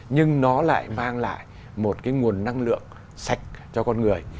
nhưng nó lại mang lại một cái nguồn năng lượng sạch cho con người